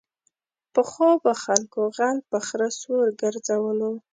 پخوا به خلکو غل په خره سور گرځولو.